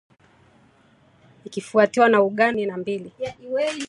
ikifuatiwa na Uganda asilimia themanini na mbili